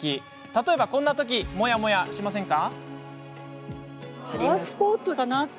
例えば、こんなときモヤモヤしませんか？